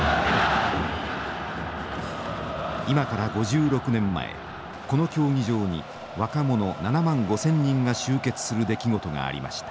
今から５６年前この競技場に若者７万５，０００人が集結する出来事がありました。